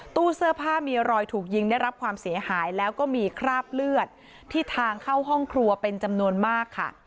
ตู้เสื้อผ้ามีรอยถูกยิงได้รับความเสียหายแล้วก็มีคราบเลือดที่ทางเข้าห้องครัวเป็นจำนวนมากค่ะ